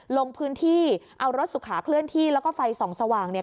ลงพื้นที่เอารถสุขาเคลื่อนที่แล้วก็ไฟส่องสว่างเนี่ย